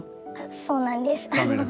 そうなんですあの。